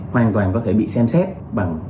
hoàn toàn có thể bị xem xét bằng